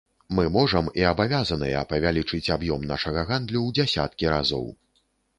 Мы можам і абавязаныя павялічыць аб'ём нашага гандлю ў дзясяткі разоў.